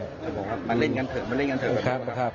ครับผมครับมาเล่นกันเถอะมาเล่นกันเถอะครับ